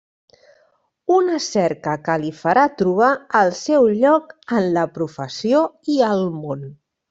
Una cerca que li farà trobar el seu lloc en la professió i al món.